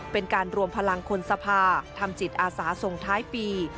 เป็นการรวมพลังคนสภาทำจิตอาสาส่งท้ายปี